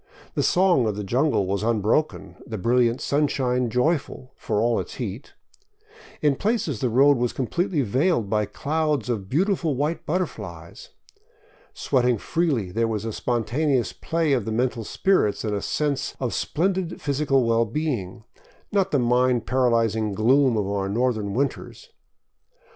The song of the jungle was unbroken, the brilliant sun shine joyful, for all its heat. In places the road was completely veiled by clouds of beautiful white butterflies. Sweating freely, there was a spontaneous play of the mental spirits and a sense of splendid phys ical well being, not the mind paralyzing gloom of our northern win ters.